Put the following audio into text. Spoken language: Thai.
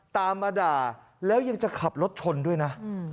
ตามมาด่าแล้วยังจะขับรถชนด้วยนะ